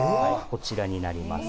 こちらになります。